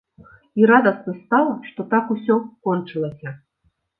І радасна стала, што так усё кончылася.